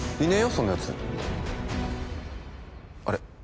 そんなやつあれ？